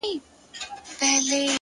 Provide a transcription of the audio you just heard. وخت د فرصتونو وزن معلوموي,